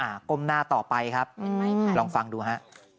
อ่ะก้มหน้าต่อไปครับลองฟังดูฮะ